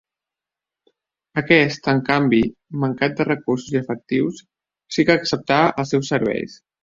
Aquest en canvi, mancat de recursos i efectius, sí que acceptà els seus serveis.